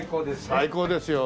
最高ですよ。